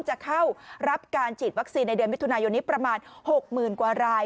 จะเข้ารับการฉีดวัคซีนในเดือนมิถุนายนนี้ประมาณ๖๐๐๐กว่าราย